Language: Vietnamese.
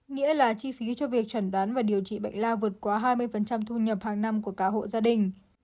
nghĩa là chi phí cho việc chẩn đoán và điều trị bệnh lao vượt quá hai mươi thu nhập hàng năm của cả hộ gia đình